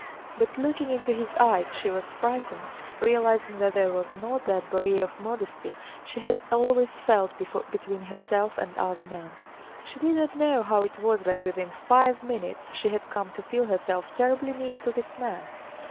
But looking into his eyes she was frightened, realizing that there was not that barrier of modesty she had always felt between herself and other men. She did not know how it was that within five minutes she had come to feel herself terribly near to this man.